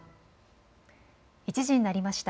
１時になりました。